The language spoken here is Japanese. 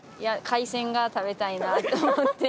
海鮮が食べたいなと思って。